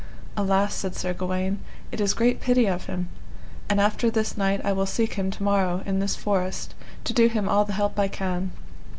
Alas, said Sir Gawaine, it is great pity of him; and after this night I will seek him to morrow, in this forest, to do him all the help I can.